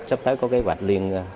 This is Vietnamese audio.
sắp tới có kế hoạch liên hệ